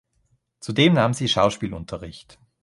Zudem nahm sie Schauspielunterricht.